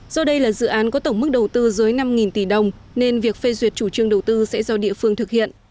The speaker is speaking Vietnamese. do đây là dự án có tổng mức đầu tư dưới năm tỷ đồng nên việc phê duyệt chủ trương đầu tư sẽ do địa phương thực hiện